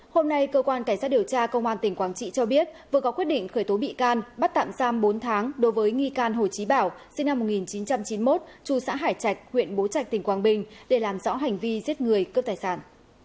hôm nay cơ quan cảnh sát điều tra công an tỉnh quảng trị cho biết vừa có quyết định khởi tố bị can bắt tạm giam bốn tháng đối với nghi can hồ chí bảo sinh năm một nghìn chín trăm chín mươi một trù xã hải trạch huyện bố trạch tỉnh quảng bình để làm rõ hành vi giết người cướp tài sản